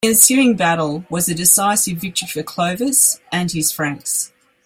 The ensuing battle was a decisive victory for Clovis and his Franks.